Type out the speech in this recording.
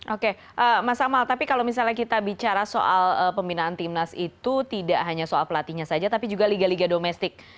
oke mas amal tapi kalau misalnya kita bicara soal pembinaan timnas itu tidak hanya soal pelatihnya saja tapi juga liga liga domestik